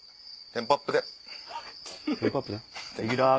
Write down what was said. テンポアップ！